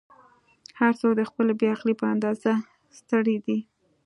"هر څوک د خپلې بې عقلۍ په اندازه ستړی دی.